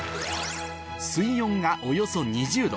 水温がおよそ２０℃